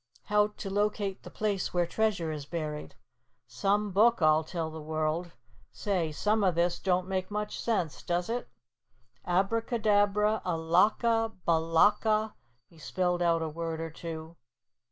'HOW TO LOCATE THE PLACE WHERE TREASURE IS BURIED.' Some book, I'll tell the world! Say, some of this don't make much sense, does it? 'Abacadabra, alaka, balaka, '" he spelled out a word or two.